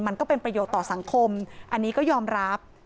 มันก็เป็นประโยชน์ต่อสังคมอันนี้ก็ยอมรับ